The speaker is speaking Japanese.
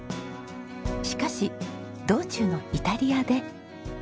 しかし道中のイタリアで。